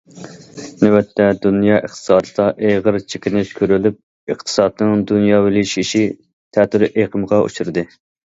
نۆۋەتتە، دۇنيا ئىقتىسادىدا ئېغىر چېكىنىش كۆرۈلۈپ، ئىقتىسادنىڭ دۇنياۋىلىشىشى تەتۈر ئېقىمغا ئۇچرىدى.